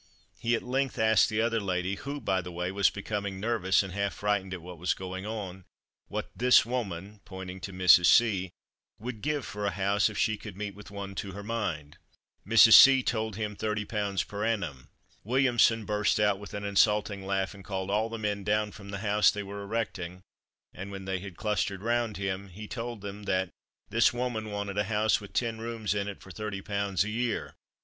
He at length asked the other lady who, by the way, was becoming nervous and half frightened at what was going on "what this woman," pointing to Mrs. C , "would give for a house if she could meet with one to her mind." Mrs. C told him 30 pounds per annum. Williamson burst out with an insulting laugh, and called all the men down from the house they were erecting, and when they had clustered round him he told them that "this woman wanted a house with ten rooms in it for 30 pounds a year!